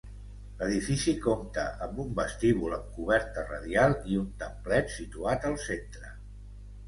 L'edifici compta amb un vestíbul amb coberta radial i un templet situat al centre.